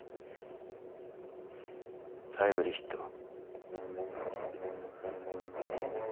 タイムリーヒットを。